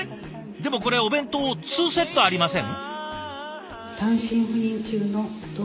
でもこれお弁当２セットありません？